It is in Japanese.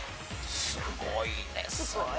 すごいですね。